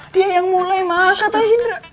dia yang mulai mahal kata indra